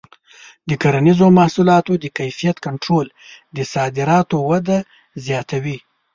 د کرنیزو محصولاتو د کیفیت کنټرول د صادراتو وده زیاتوي.